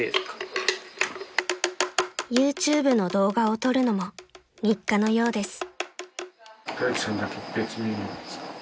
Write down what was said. ［ＹｏｕＴｕｂｅの動画を撮るのも日課のようです］